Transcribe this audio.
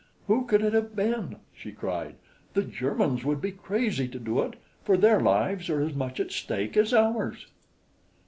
"Who could it have been?" she cried. "The Germans would be crazy to do it, for their lives are as much at stake as ours."